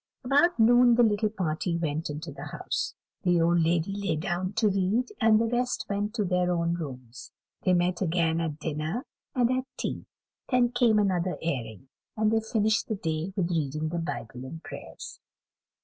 About noon the little party went into the house: the old lady lay down to read, and the rest went to their own rooms. They met again at dinner, and at tea; then came another airing; and they finished the day with reading the Bible and prayers.